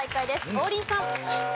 王林さん。